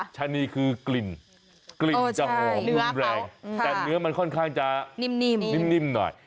ชะนีคือกลิ่นกลิ่นจะหอมรุนแรงแต่เนื้อมันค่อนข้างจะนิ่มหน่อย